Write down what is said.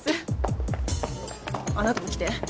あなたも来て。